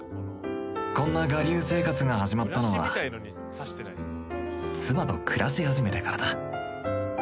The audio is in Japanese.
こんな我流生活が始まったのは妻と暮らし始めてからだ